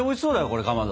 これかまど。